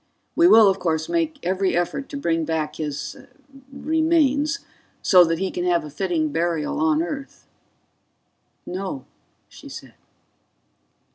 "We will, of course, make every effort to bring back his ... remains ... so that he can have a fitting burial on Earth." "No," she said.